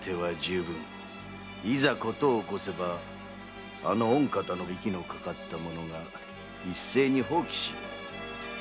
いざ事を起こせばあの御方の息のかかった者が一斉に蜂起しよう。